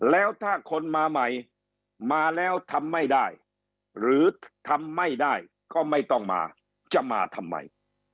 แล้วถ้าคนมาใหม่มาแล้วทำไม่ได้หรือทำไม่ได้ก็ไม่ต้องมาจะมาทำไม